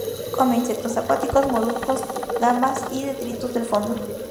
Come insectos acuáticos, moluscos, gambas y detritus del fondo.